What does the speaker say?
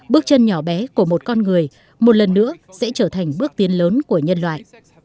bước chân nhỏ bé của một con người một lần nữa sẽ trở thành bước tiến lớn của nhân loại